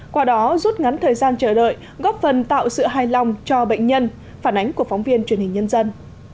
qua đó rút ngắn thời gian chờ đợi góp phần tạo sự hài lòng cho bệnh nhân phản ánh của phóng viên truyền hình nhân dân